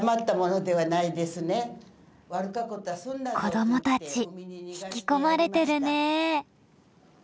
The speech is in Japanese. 子どもたち引き込まれてるね。